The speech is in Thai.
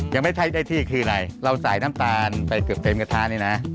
ยังไม่ได้ใช้ได้ที่คืออะไรเราใส่น้ำตาลไปเกือบเต็มกระทะนี่นะ